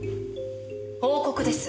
報告です。